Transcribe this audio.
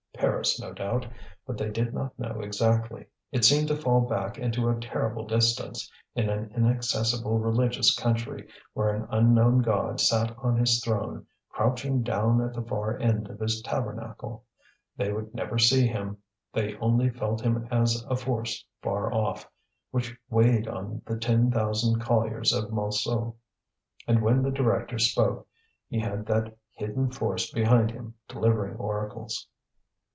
Paris, no doubt. But they did not know exactly; it seemed to fall back into a terrible distance, in an inaccessible religious country, where an unknown god sat on his throne, crouching down at the far end of his tabernacle. They would never see him; they only felt him as a force far off, which weighed on the ten thousand colliers of Montsou. And when the director spoke he had that hidden force behind him delivering oracles.